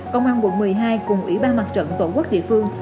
công an quận một mươi hai cùng ủy ban mặt trận tổ quốc địa phương